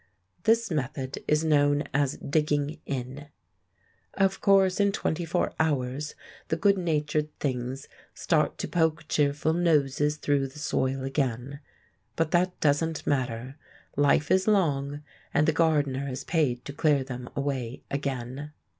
This method is known as "digging in." Of course, in twenty four hours the good natured things start to poke cheerful noses through the soil again. But that doesn't matter. Life is long, and the gardener is paid to clear them away again.